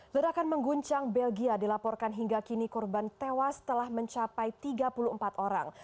ledakan mengguncang belgia dilaporkan hingga kini korban tewas telah mencapai tiga puluh empat orang